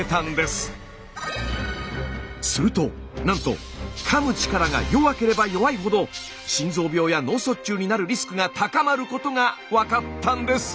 するとなんとかむ力が弱ければ弱いほど心臓病や脳卒中になるリスクが高まることが分かったんです。